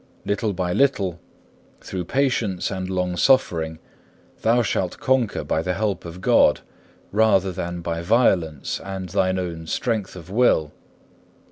Little by little, through patience and longsuffering, thou shalt conquer by the help of God, rather than by violence and thine own strength of will.